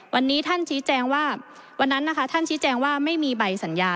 วันนี้ท่านชี้แจงว่าวันนั้นนะคะท่านชี้แจงว่าไม่มีใบสัญญา